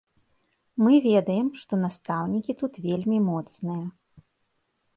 Мы ведаем, што настаўнікі тут вельмі моцныя.